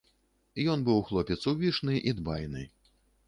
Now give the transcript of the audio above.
Ён быў хлопец увішны і дбайны.